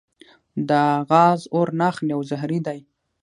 دا غاز اور نه اخلي او زهري دی.